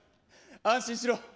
安心しろ。